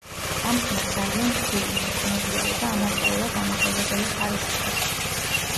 ამ ხმას ძალიან რბილი, მგრძნობიარე და ამავდროულად ამაღელვებელი ხარისხი აქვს.